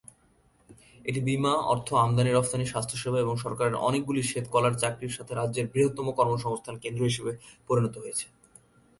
এটি বীমা, অর্থ, আমদানি-রফতানি, স্বাস্থ্যসেবা এবং সরকারের অনেকগুলি শ্বেত-কলার চাকরির সাথে রাজ্যের বৃহত্তম কর্মসংস্থান কেন্দ্র হিসাবে পরিণত হয়েছে।